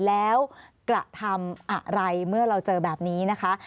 แล้วกระทำอะไรเมื่อเราเจอแบบนี้นะคะ